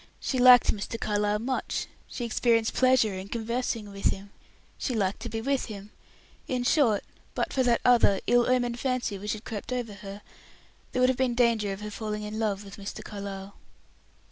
She liked Mr. Carlyle much; she experienced pleasure in conversing with him; she liked to be with him; in short, but for that other ill omened fancy which had crept over her, there would have been danger of her falling in love with Mr. Carlyle.